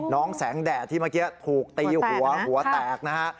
แสงแดดที่เมื่อกี้ถูกตีหัวหัวแตกนะฮะ